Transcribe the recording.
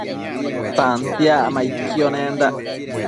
Tantiacmaidquio nendac